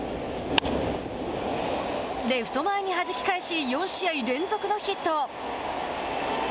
レフト前にはじき返し４試合連続のヒット。